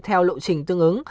theo lộ trình tương ứng